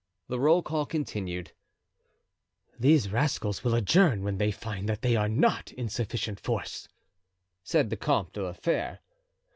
The roll call continued. "These rascals will adjourn when they find that they are not in sufficient force," said the Comte de la Fere.